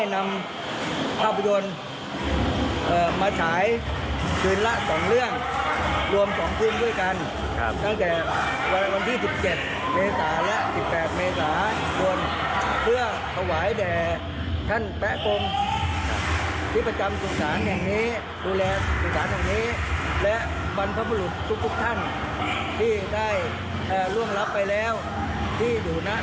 และบรรพบุรุษทุกท่านที่ได้ร่วงรับไปแล้วที่อยู่หน้าดุสารแห่งนี้